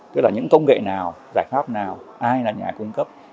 tức là những công nghệ nào giải pháp nào ai là nhà cung cấp